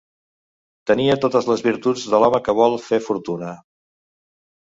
Tenia totes les virtuts de l'home que vol fer fortuna